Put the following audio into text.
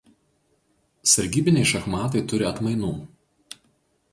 Sargybiniai šachmatai turi atmainų.